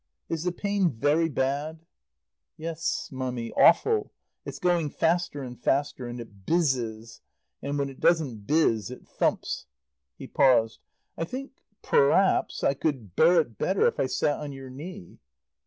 Is the pain very bad?" "Yes, Mummy, awful. It's going faster and faster. And it bizzes. And when it doesn't bizz, it thumps." He paused "I think p'raps I could bear it better if I sat on your knee."